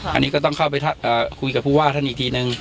อันนี้ก็ต้องเข้าไปคุยกับผู้ว่าท่านอีกทีนึง